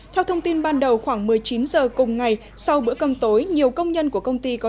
theo thông tin ban đầu khoảng một mươi chín h cùng ngày sau bữa cơm tối nhiều công nhân của công ty có